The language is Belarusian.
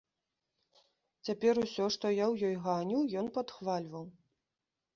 Цяпер усё, што я ў ёй ганіў, ён падхвальваў.